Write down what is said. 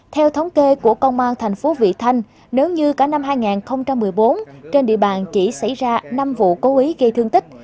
theo thống kê của công an thành phố vị thanh nếu như cả năm hai nghìn một mươi bốn trên địa bàn chỉ xảy ra năm vụ cố ý gây thương tích